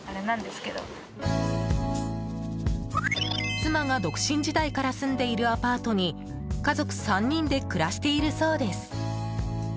妻が独身時代から住んでいるアパートに家族３人で暮らしているそうです。